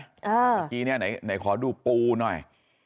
อันนี้เนี่ยไหนขอดูปูหน่อย